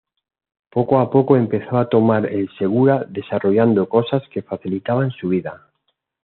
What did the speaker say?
Poco a poco empezó a tomar el segura desarrollando cosas que facilitaban su vida.